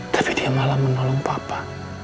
tapi dia malah menolong papa